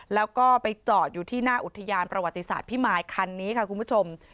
แล้วก็ไปจอดอยู่ที่หน้าอุทยานประวัติศาสตร์พิมายคันนี้ค่ะคุณผู้ชม